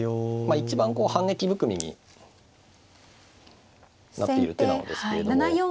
一番こう反撃含みになっている手なのですけれども。